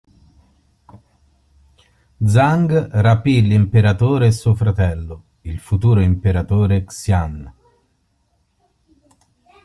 Zhang rapì l'imperatore e suo fratello, il futuro Imperatore Xian.